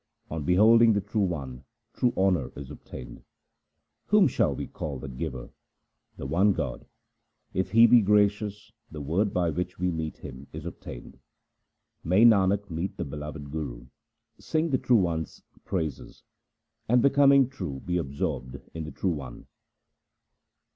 On beholding the True One, true honour is obtained. Whom shall we call the giver ? The One God. If He be gracious, the Word by which we meet Him is obtained. May Nanak meet the beloved Guru, sing the True One's praises, And becoming true be absorbed in the True One